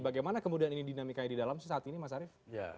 bagaimana kemudian dinamikanya di dalam saat ini mas arief